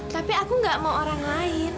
tapi aku gak mau orang lain